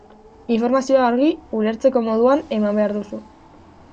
Informazioa argi, ulertzeko moduan, eman behar duzu.